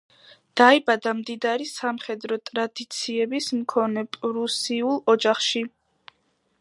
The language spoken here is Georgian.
დაიბადა მდიდარი სამხედრო ტრადიციების მქონე პრუსიულ ოჯახში.